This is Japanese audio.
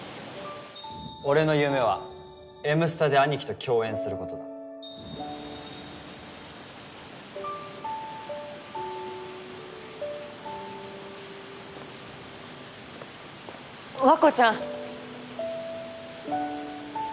俺の夢はＭスタで兄貴と共演すること和子ちゃん！